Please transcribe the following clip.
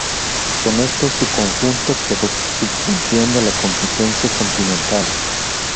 Con esto su conjunto quedó subcampeón de la competencia continental.